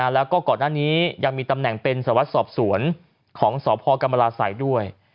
แล้วก็ก่อนหน้านี้ยังมีตำแหน่งเป็นสวัสดิสอบสวนของสพกรรมราศัยด้วย